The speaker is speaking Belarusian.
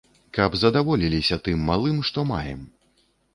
Каб задаволіліся тым малым, што маем.